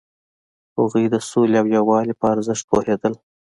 هغوی د سولې او یووالي په ارزښت پوهیدل.